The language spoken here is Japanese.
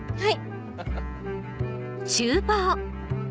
はい！